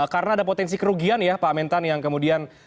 karena ada potensi kerugian ya pak mentan yang kemudian